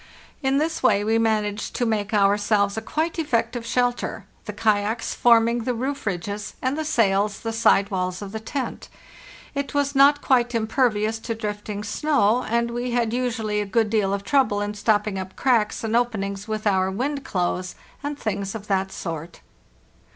In this way we man aged to make ourselves a quite effective shelter, the kayaks forming the roof ridges, and the sails the side walls of the tent. It was not quite impervious to drift ing snow, and we had usually a good deal of trouble in stopping up cracks and openings with our wind clothes and things of that sort.